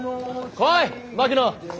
来い槙野！